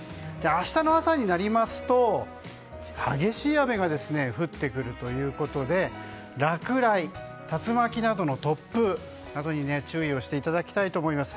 明日の朝になりますと激しい雨が降ってくるということで落雷、竜巻など突風に注意をしていただきたいと思います。